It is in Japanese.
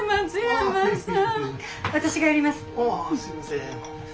あすいません。